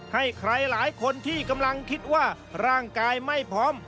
ให้ใครหลายคนที่กำลังคิดว่าร่างกายไม่พร้อม